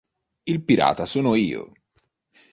Il pirata sono io!